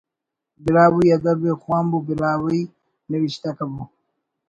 براہوئی ادب ءِ خوانبو براہوئی نوشتہ کبو